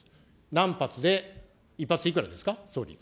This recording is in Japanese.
何発で、１発いくらですか。